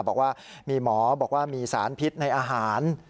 บอกว่ามีหมอบอกว่ามีสารพิษในอาหาร